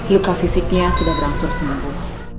luka fisiknya sudah berangsur sembuh